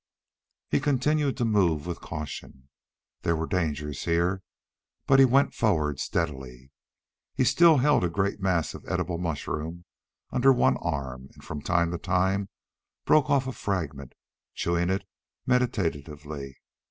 He continued to move with caution. There were dangers here, but he went forward steadily. He still held a great mass of edible mushroom under one arm and from time to time broke off a fragment, chewing it meditatively.